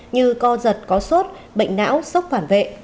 như co giật có sốt bệnh não sốc phản vệ